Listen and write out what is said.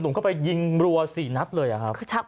ตอนนี้ยังไม่ได้นะครับ